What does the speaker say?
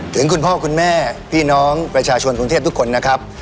ถึงคุณพ่อคุณแม่พี่น้องประชาชนกรุงเทพทุกคนนะครับ